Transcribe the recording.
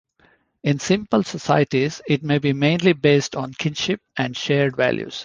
In simple societies it may be mainly based on kinship and shared values.